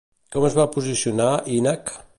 Com es va posicionar Ínac?